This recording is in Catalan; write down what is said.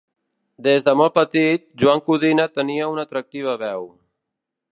Des de molt petit, Joan Codina tenia una atractiva veu.